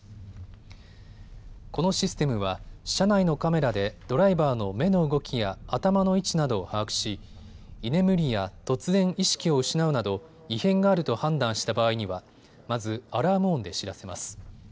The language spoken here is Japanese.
このシステムは車内のカメラでドライバーの目の動きや頭の位置などを把握し居眠りや突然、意識を失うなど異変があると判断した場合にはまずアラーム音で知らせます。